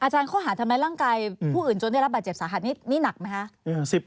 อาจารย์ข้อหาทำไมร่างกายผู้อื่นจนได้รับบาดเจ็บสาหาฯนี่หนักไหมคะ